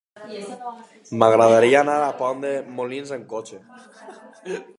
M'agradaria anar a Pont de Molins amb cotxe.